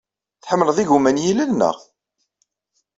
Tḥemmleḍ igumma n yilel, naɣ?